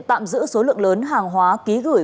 tạm giữ số lượng lớn hàng hóa ký gửi